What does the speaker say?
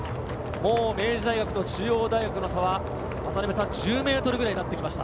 もう明治大学と中央大学の差は渡辺さん、１０ｍぐらいになってきました。